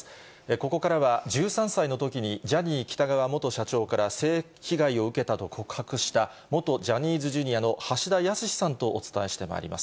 ここからは、１３歳のときにジャニー喜多川元社長から性被害を受けたと告白した、元ジャニーズＪｒ．の橋田康さんとお伝えしてまいります。